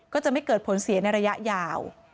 ก็จะไม่เกิดผลเสียในระยะยาว